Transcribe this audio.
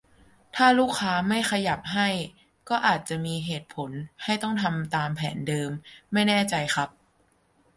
ถ้าลูกค้าไม่ขยับให้ ก็อาจจะมีเหตุผลให้ต้องทำตามแผนเดิม ? ไม่แน่ใจครับ